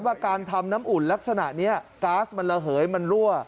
ว่าการทำน้ำอุ่นลักษณะนี้ก๊าซมันระเหยมันรั่ว